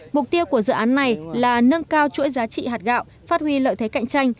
mục tiêu của dự án này là nâng cao chuỗi giá trị hạt gạo phát huy lợi thế cạnh tranh